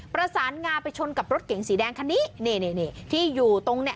ประสานงาไปชนกับรถเก๋งสีแดงคันนี้นี่นี่ที่อยู่ตรงเนี่ย